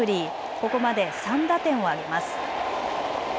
ここまで３打点を挙げます。